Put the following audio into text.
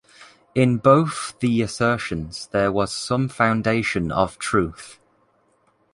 In both the assertions there was some foundation of truth.